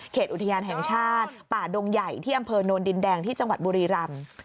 อุทยานแห่งชาติป่าดงใหญ่ที่อำเภอโนนดินแดงที่จังหวัดบุรีรำ